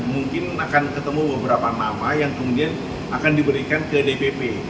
mungkin akan ketemu beberapa nama yang kemudian akan diberikan ke dpp